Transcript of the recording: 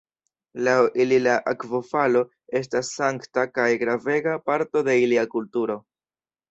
Laŭ ili la akvofalo estas sankta kaj gravega parto de ilia kulturo.